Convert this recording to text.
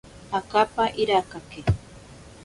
Akapa irakake.